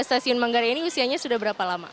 stasiun manggarai ini usianya sudah berapa lama